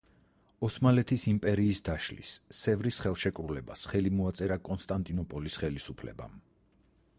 ოსმალეთის იმპერიის დაშლის—სევრის ხელშეკრულებას ხელი მოაწერა კონსტანტინოპოლის ხელისუფლებამ.